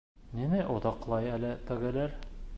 Ниңә оҙаҡлай әле тегеләр?